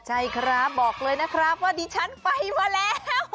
ใช่ครับบอกเลยนะครับว่าดิฉันไปมาแล้ว